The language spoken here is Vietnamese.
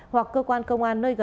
hoặc cơ quan công an nơi chợ